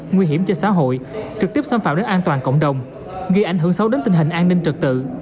nguy hiểm cho xã hội trực tiếp xâm phạm đến an toàn cộng đồng gây ảnh hưởng sâu đến tình hình an ninh trật tự